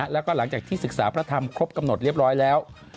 แล้วก็หลังจากที่ศึกษาพระธรรมครบกำหนดเรียบร้อยแล้ว